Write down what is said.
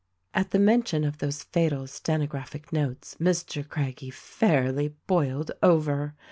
At the mention of those fatal stenographic notes Mr. Craggie fairly boiled over.